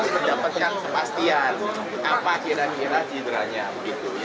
mendapatkan kepastian apa kira kira cedranya begitu ya